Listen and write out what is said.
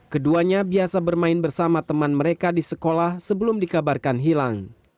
keduanya biasa bermain bersama teman mereka di sekolah sebelum dikabarkan hilang